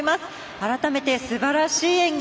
改めて、すばらしい演技